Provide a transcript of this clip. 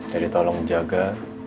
jadi tolong jaga